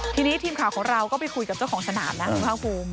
ทีนี้ทีมข่าวของเราก็ไปคุยกับเจ้าของสนามนะคุณภาคภูมิ